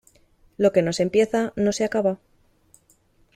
Lo que no se empieza, no se acaba.